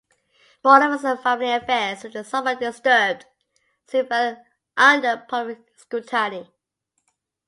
Borg Olivier's family affairs, which were somewhat disturbed, soon fell under public scrutiny.